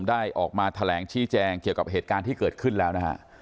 ได้ออกมาแถลงชี้แจงเกี่ยวกับเหตุการณ์ที่เกิดขึ้นแล้วนะฮะ